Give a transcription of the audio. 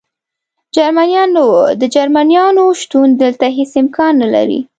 جرمنیان نه و، د جرمنیانو شتون دلته هېڅ امکان نه لري.